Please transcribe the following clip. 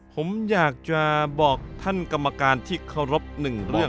ผมอยากจะบอกท่านกรรมการที่เคารพหนึ่งเรื่อง